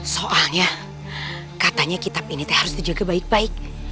soalnya katanya kitab ini teh harus dijaga baik baik